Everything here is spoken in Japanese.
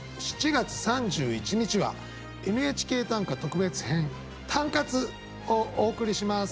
７月３１日は「ＮＨＫ短歌」特別編「タンカツ」をお送りします。